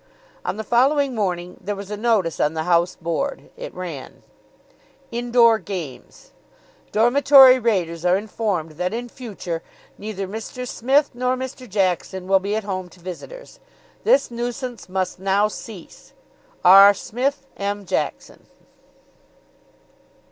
On the following morning there was a notice on the house board. It ran: INDOOR GAMES Dormitory raiders are informed that in future neither Mr. Psmith nor Mr. Jackson will be at home to visitors. This nuisance must now cease. R. PSMITH. M. JACKSON.